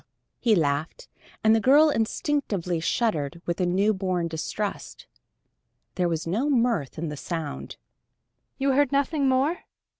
He laughed, and the girl instinctively shuddered with a newborn distrust. There was no mirth in the sound. "You heard nothing more?